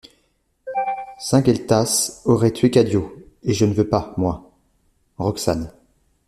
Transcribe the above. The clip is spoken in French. Saint-Gueltas aurait tué Cadio, et je ne veux pas, moi ! ROXANE.